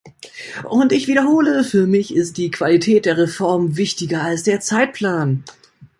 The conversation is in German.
Und ich wiederhole, für mich ist die Qualität der Reform wichtiger als der Zeitplan.